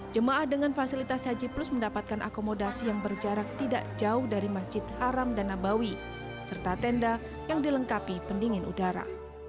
jemaah dengan fasilitas haji plus mendapatkan akomodasi yang berjarak tidak jauh dari masjid haram dan nabawi serta tenda yang dilengkapi pendingin udara